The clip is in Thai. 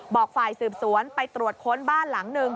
ฝ่ายสืบสวนไปตรวจค้นบ้านหลังหนึ่ง